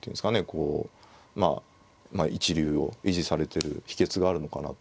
こうまあ一流を維持されてる秘けつがあるのかなと思いますね。